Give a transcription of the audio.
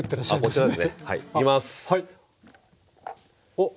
おっ！